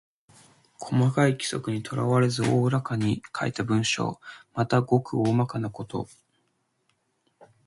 細かい規則にとらわれず大らかに書いた文章。また、ごく大まかなこと。